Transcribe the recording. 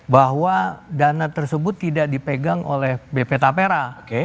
bahwa dana tersebut tidak dipegang oleh bp tapera